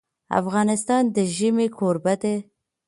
افغانستان د ژمی کوربه دی.